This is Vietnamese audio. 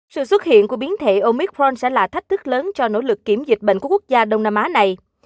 sự xuất hiện của biến thể omicron sẽ là thách thức lớn cho nỗ lực kiểm dịch bệnh của quốc gia đông nam á này